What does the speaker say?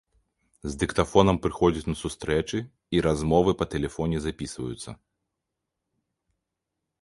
З дыктафонам прыходзяць на сустрэчы і размовы па тэлефоне запісваюцца.